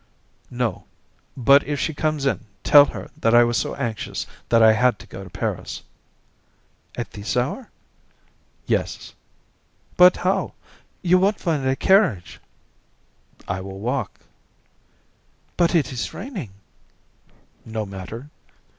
"No; but if she comes in, tell her that I was so anxious that I had to go to Paris." "At this hour?" "Yes. "But how? You won't find a carriage." "I will walk." "But it is raining." "No matter."